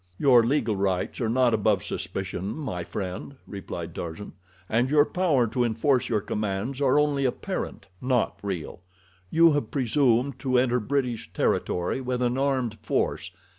"Your legal rights are not above suspicion, my friend," replied Tarzan, "and your power to enforce your commands are only apparent—not real. You have presumed to enter British territory with an armed force.